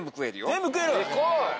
全部食える？